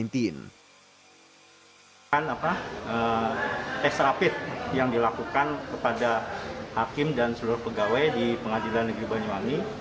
tes rapid yang dilakukan kepada hakim dan seluruh pegawai di pengadilan negeri banyuwangi